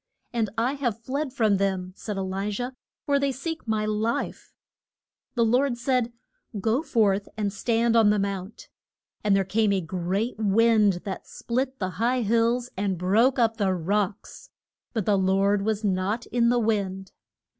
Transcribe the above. And I have fled from them, said E li jah, for they seek my life. [Illustration: E LI JAH IN THE WIL DER NESS.] The Lord said, Go forth, and stand on the mount. And there came a great wind that split the high hills, and broke up the rocks. But the Lord was not in the wind.